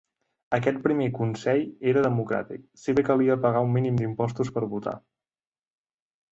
Aquest primer consell era democràtic, si bé calia pagar un mínim d'impostos per votar.